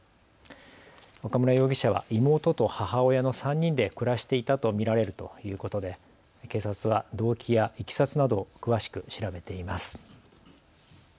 岡村容疑者は妹と母親の３人で暮らしていたと見られるということで警察は動機やいきさつなどを詳しく調べています。